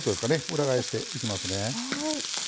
裏返していきますね。